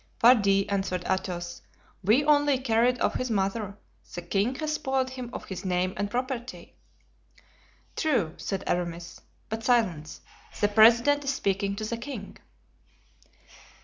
"Pardi," answered Athos "we only carried off his mother; the king has spoiled him of his name and property." "True," said Aramis; "but silence! the president is speaking to the king."